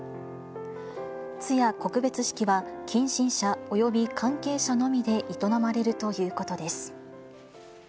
通夜・告別式は、近親者および関係者のみで営まれるということです。